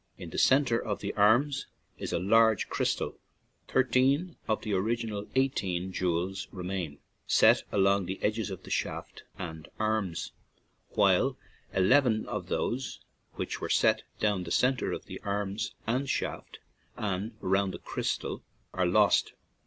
In the centre of the arms is a large crystal; thirteen of the original eighteen jewels remain, set along the edges of shaft and arms, while eleven of those which were set down the centre of arms and shaft and round the crystal are lost.